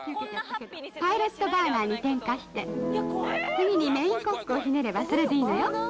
パイロットバーナーに点火して、次にメインコックをひねれば、それでいいのよ。